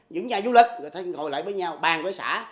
những nhà du lịch người ta ngồi lại với nhau bàn với xã